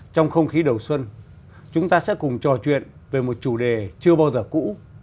trong không khí đầu xuân chúng ta sẽ cùng trò chuyện về một chủ đề chưa bao giờ cũ